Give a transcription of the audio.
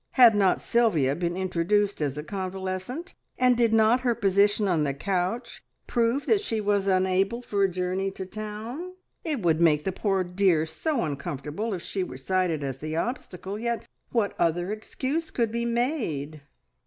Had not Sylvia been introduced as a convalescent, and did not her position on the couch prove that she was unable for a journey to town? It would make the poor dear so uncomfortable if she were cited as the obstacle; yet what other excuse could be made?